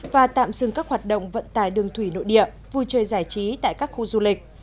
và tạm dừng các hoạt động vận tải đường thủy nội địa vui chơi giải trí tại các khu du lịch